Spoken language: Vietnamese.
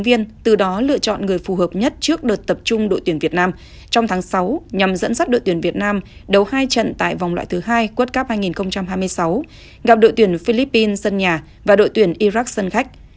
viên từ đó lựa chọn người phù hợp nhất trước đợt tập trung đội tuyển việt nam trong tháng sáu nhằm dẫn dắt đội tuyển việt nam đấu hai trận tại vòng loại thứ hai world cup hai nghìn hai mươi sáu gặp đội tuyển philippines sân nhà và đội tuyển iraq sân khách